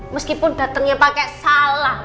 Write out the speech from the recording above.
meskipun datengnya pake salam